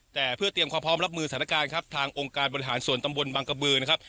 แต่เพื่อเตรียมความพร้อมรับมือสถานการณ์ครับทางองค์การบริหารส่วนตำบลบังกระบือนะครับ